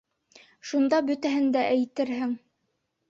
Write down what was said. Шунда бөтәһен дә әйтерһең!